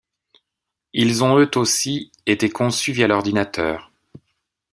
Ils ont eux aussi, été conçus via l'ordinateur.